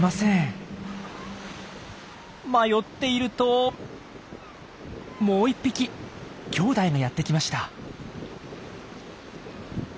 迷っているともう１匹きょうだいがやってきました。